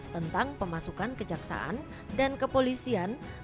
tentang pemasukan kejaksaan dan kepolisian masing masing ke dalam lintas